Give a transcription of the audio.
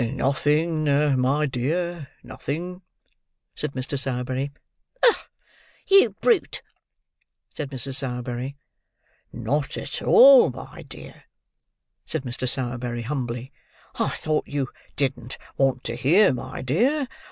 "Nothing, my dear, nothing," said Mr. Sowerberry. "Ugh, you brute!" said Mrs. Sowerberry. "Not at all, my dear," said Mr. Sowerberry humbly. "I thought you didn't want to hear, my dear.